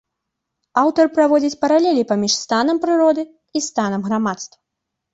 Аўтар праводзіць паралелі паміж станам прыроды і станам грамадства.